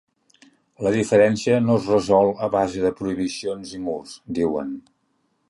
La diferència no es resol a base de prohibicions i murs –diuen–.